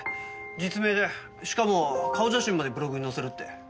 実名でしかも顔写真までブログに載せるって。